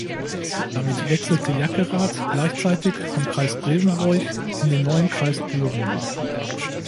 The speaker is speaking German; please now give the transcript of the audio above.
Damit wechselte Jackerath gleichzeitig vom Kreis Grevenbroich in den neuen Kreis Düren.